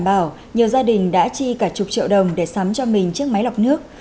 bảo nhiều gia đình đã chi cả chục triệu đồng để sắm cho mình chiếc máy lọc nước